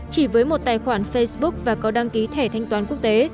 chỉ với một tài khoản facebook và có đăng ký thẻ thanh toán quốc tế